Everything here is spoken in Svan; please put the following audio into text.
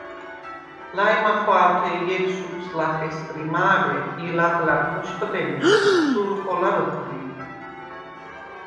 ლა̈ჲმახვა̄ლთე ი ჲედ შუკვს ლახ ესხრი მა̄რე ი ლაღლა̈ბ ხოშყდენი, სურუ ხოლა როქვ ლი.